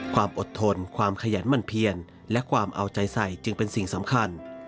ความอดทนความขยันมันเพียนและความเอาใจใส่จึงเป็นสิ่งสำคัญ